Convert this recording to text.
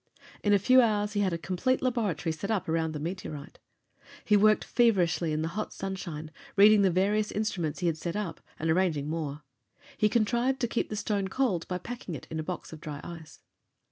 In a few hours he had a complete laboratory set up around the meteorite. He worked feverishly in the hot sunshine, reading the various instruments he had set up, and arranging more. He contrived to keep the stone cold by packing it in a box of dry ice.